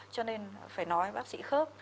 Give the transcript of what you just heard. cho nên phải nói với bác sĩ khớp